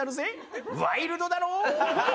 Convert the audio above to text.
ワイルドだろぉ？